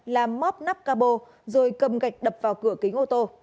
làm móc nắp cabo rồi cầm gạch đập vào cửa kính ô tô